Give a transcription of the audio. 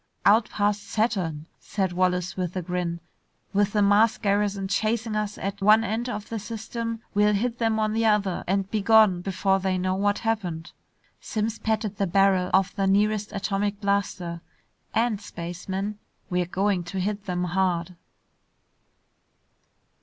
"Out past Saturn," said Wallace with a grin. "With the Mars garrison chasing us at one end of the system, we'll hit them on the other and be gone before they know what happened!" Simms patted the barrel of the nearest atomic blaster. "And, spaceman, we're going to hit them hard!"